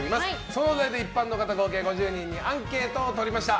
そのお題で一般の方合計５０人にアンケートを取りました。